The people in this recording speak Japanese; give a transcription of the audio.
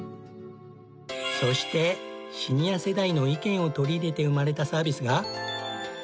そしてシニア世代の意見を取り入れて生まれたサービスが。